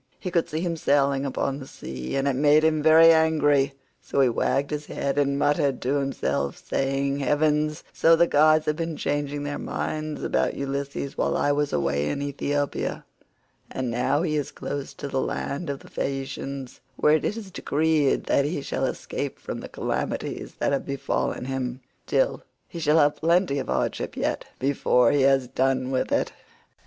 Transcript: He could see him sailing upon the sea, and it made him very angry, so he wagged his head and muttered to himself, saying, "Good heavens, so the gods have been changing their minds about Ulysses while I was away in Ethiopia, and now he is close to the land of the Phaeacians, where it is decreed that he shall escape from the calamities that have befallen him. Still, he shall have plenty of hardship yet before he has done with it."